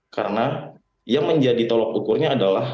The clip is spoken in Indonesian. karena yang menjadi tolok ukurnya adalah